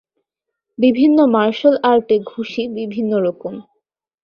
বিভিন্ন মার্শাল আর্টে ঘুষি বিভিন্ন রকম।